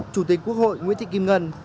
chủ tịch quốc hội nguyễn thị kim ngân